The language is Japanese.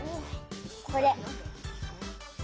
これ！